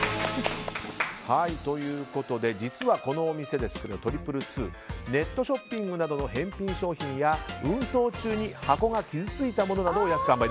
ということで実はこのお店２２２ネットショッピングなどの返品商品や運送中に箱が傷ついたものなどを安く販売。